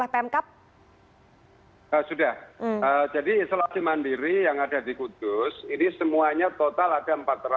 sudah jadi isolasi mandiri yang ada di kudus ini semuanya total ada empat ratus